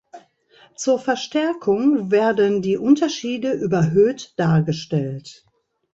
Zur Verstärkung werden die Unterschiede überhöht dargestellt.